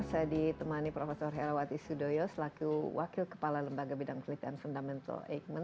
saya ditemani prof herawati sudoyo selaku wakil kepala lembaga bidang pelik dan fundamental eijkman